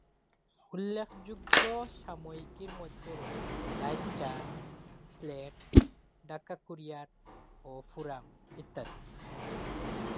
উল্লেখযোগ্য সাময়িকীর মধ্যে রয়েছে "the star", "slate", "Dhaka courier" ও "ফোরাম" ইত্যাদি।